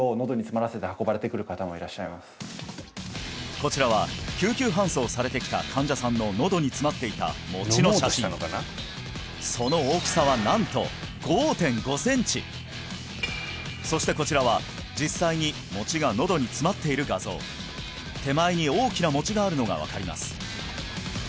こちらは救急搬送されてきた患者さんの喉に詰まっていた餅の写真その大きさはなんと５．５センチそしてこちらは実際に餅が喉に詰まっている画像手前に大きな餅があるのが分かります